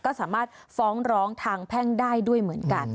ก็สามารถฟ้องร้องทางแพ่งได้ด้วยเหมือนกัน